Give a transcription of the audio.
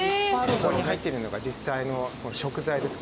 ここに入ってるのが実際の食材です。